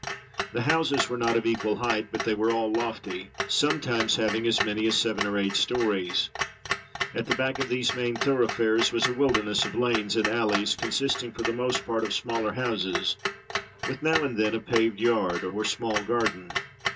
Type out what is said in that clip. The houses were not of equal height, but they were all lofty, sometimes having as many as seven or eight stories. At the back of these main thoroughfares was a wilder ness of lanes and alleys, consisting for the most part of smaller houses, with now and then a paved yard or small garden.